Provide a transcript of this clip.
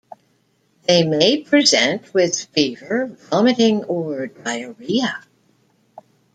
They may present with fever, vomiting, or diarrhea.